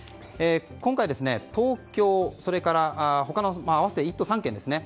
今回、東京、それから他の合わせて１都３県ですね。